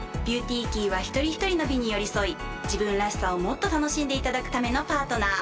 「ＢｅａｕｔｙＫｅｙ」は一人ひとりの美に寄り添い自分らしさをもっと楽しんでいただくためのパートナー。